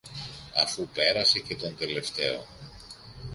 Αφού πέρασε και τον τελευταίο